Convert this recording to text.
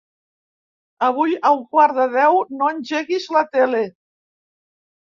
Avui a un quart de deu no engeguis la tele.